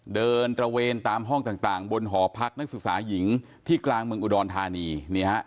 ตระเวนตามห้องต่างบนหอพักนักศึกษาหญิงที่กลางเมืองอุดรธานี